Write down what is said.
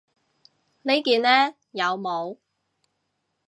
呢件呢？有帽